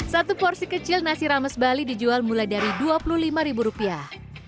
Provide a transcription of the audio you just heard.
satu porsi kecil nasi rames bali dijual mulai dari dua puluh lima ribu rupiah